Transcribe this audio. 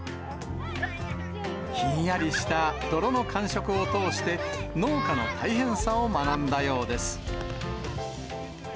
ひんやりした泥の感触を通して、農家の大変さを学んだようです。